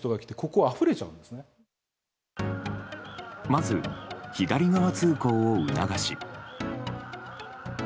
まず左側通行を促し。